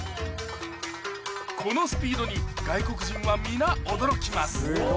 このスピードに外国人は皆驚きます